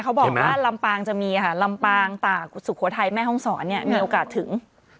เขาบอกว่าลำปางจะมีค่ะลำปางตากสุโขทัยแม่ห้องศรเนี่ยมีโอกาสถึง